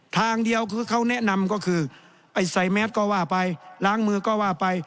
ทางเดียวคือเขาแนะนำก็คือไอ้ใส่แมสก็ว่าไปล้างมือก็ว่าไป